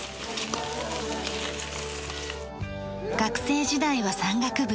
学生時代は山岳部。